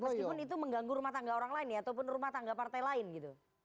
meskipun itu mengganggu rumah tangga orang lain ya ataupun rumah tangga partai lain gitu